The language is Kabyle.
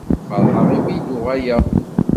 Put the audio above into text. Feṛḥeɣ imi i d-uɣaleɣ.